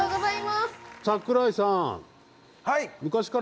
櫻井さん！